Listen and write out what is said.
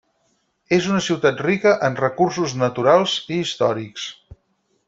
És una ciutat rica en recursos naturals i històrics.